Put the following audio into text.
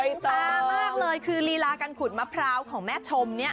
ตามากเลยคือลีลาการขุดมะพร้าวของแม่ชมเนี่ย